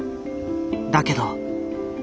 だけど。